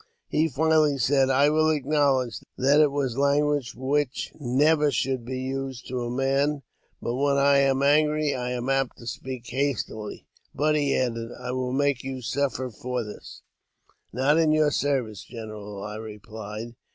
He finally said, " I will acknowledge that it was language which never should be used to a man, but when I am angry I a,m apt to speak hastily. But," he added, " I will make you suffer for this." '' Not in your service, general," I replied.